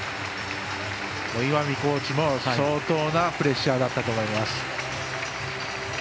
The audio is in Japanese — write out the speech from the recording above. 岩見コーチも相当なプレッシャーだったと思います。